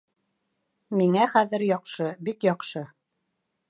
Миңә хәҙер яҡшы, бик яҡшы